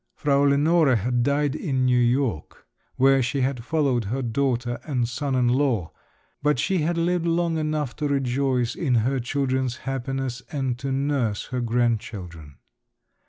Frau Lenore had died in New York, where she had followed her daughter and son in law, but she had lived long enough to rejoice in her children's happiness and to nurse her grandchildren.